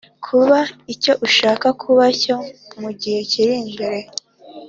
kuba icyo ushaka kuba cyo mu gihe kiri imbere,